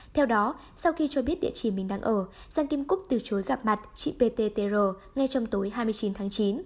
theo đó sau khi cho biết địa chỉ mình đang ở san kim cúc từ chối gặp mặt chị pttr ngay trong tối hai mươi chín tháng chín